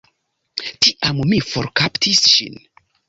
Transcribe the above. Tiam vi forkaptis ŝin.